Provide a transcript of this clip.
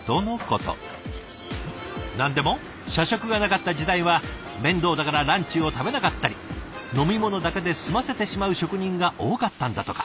何でも社食がなかった時代は面倒だからランチを食べなかったり飲み物だけで済ませてしまう職人が多かったんだとか。